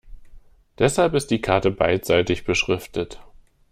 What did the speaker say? Deshalb ist die Karte beidseitig beschriftet.